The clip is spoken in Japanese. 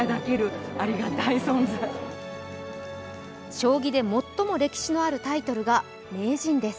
将棋で最も歴史のあるタイトルが名人です。